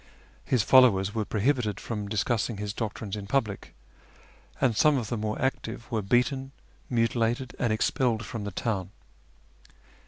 His followers were prohibited from discussing his doctrines in public, and some of the more active were beaten, mutilated, and expelled from the town.